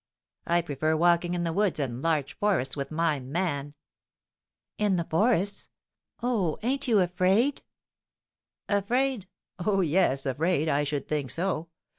"I prefer walking in the woods and large forests with my man." "In the forests! Oh, ain't you afraid?" "Afraid! Oh, yes, afraid! I should think so!